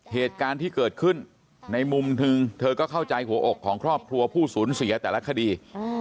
เหตุการณ์ที่เกิดขึ้นในมุมหนึ่งเธอก็เข้าใจหัวอกของครอบครัวผู้สูญเสียแต่ละคดี